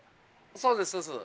そうです。